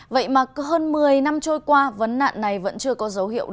vậy mà hơn một mươi năm trôi qua vấn nạn này vẫn chưa có dấu hiệu